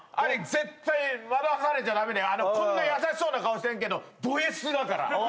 絶対惑わされちゃダメだよこんな優しそうな顔してんけどドＳだからああ